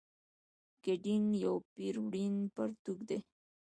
ګډین یو پېړ وړین پرتوګ دی.